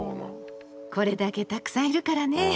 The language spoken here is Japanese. これだけたくさんいるからね。